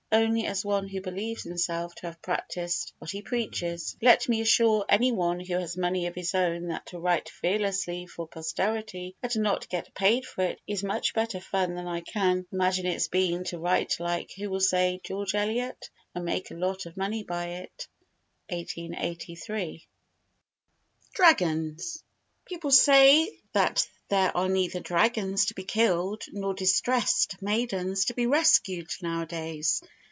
Only, as one who believes himself to have practised what he preaches, let me assure any one who has money of his own that to write fearlessly for posterity and not get paid for it is much better fun than I can imagine its being to write like, we will say, George Eliot and make a lot of money by it. [1883.] Dragons People say that there are neither dragons to be killed nor distressed maidens to be rescued nowadays.